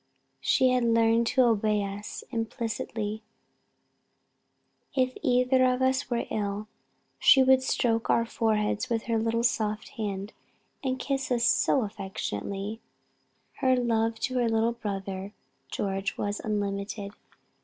She had learned to obey us implicitly.... If either of us were ill, she would stroke our foreheads with her little soft hand, and kiss us so affectionately! Her love to her little brother George was unlimited.